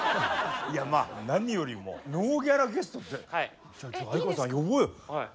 何よりもノーギャラゲストって哀川さん呼ぼうよ。